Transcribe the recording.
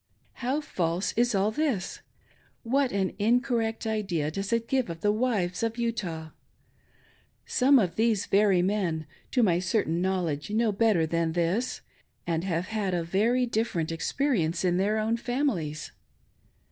How false is all this! What an incorrect idea does it give of the wives of Utah ! Some of these very men, to my cer tain knowledge, know better than this, and have had a very different experience in their own families.